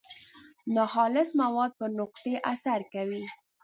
ناخالص مواد پر نقطې اثر کوي.